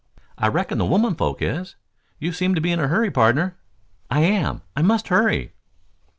"I reckon the women folks is. You seem to be in a hurry, pardner." "I am. I must hurry."